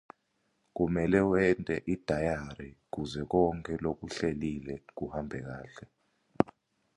Kumele wente idayari kuze konkhe lokuhlelile kuhambe kahle.